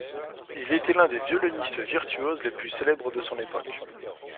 Il était l’un des violonistes virtuoses les plus célèbres de son époque.